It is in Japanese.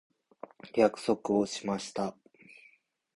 約束をしました。